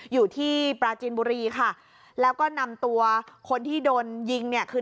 อยู่ที่ปราจีนบุรีค่ะแล้วก็นำตัวคนที่โดนยิงเนี่ยคือ